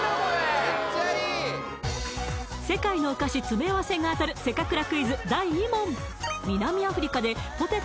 世界のお菓子詰め合わせが当たるせかくら